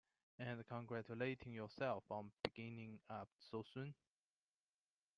And congratulating yourself on being up so soon?